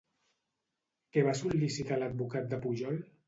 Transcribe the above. Què va sol·licitar l'advocat de Pujol?